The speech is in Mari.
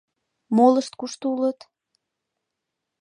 — Молышт кушто улыт?